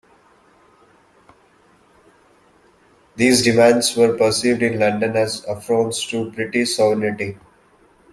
These demands were perceived in London as affronts to British sovereignty.